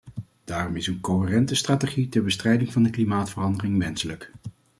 Daarom is een coherente strategie ter bestrijding van de klimaatverandering wenselijk.